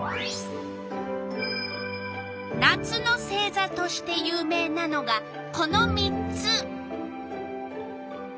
夏の星座として有名なのがこの３つ。